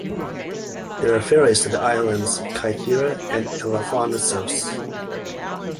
There are ferries to the islands Kythira and Elafonisos.